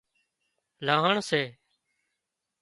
لانهڻ سي